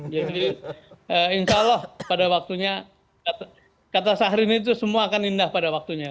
jadi insya allah pada waktunya kata sahri ini tuh semua akan indah pada waktunya